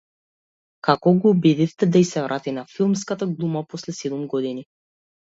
Како го убедивте да ѝ се врати на филмската глума после седум години?